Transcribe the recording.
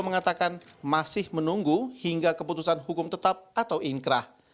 mengatakan masih menunggu hingga keputusan hukum tetap atau inkrah